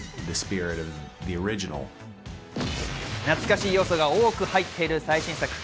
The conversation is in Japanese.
懐かしい要素が多く入っている最新作。